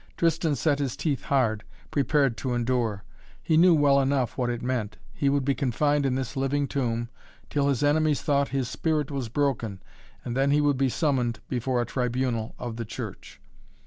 Tristan set his teeth hard, prepared to endure. He knew well enough what it meant. He would be confined in this living tomb till his enemies thought his spirit was broken, and then he would be summoned before a tribunal of the Church.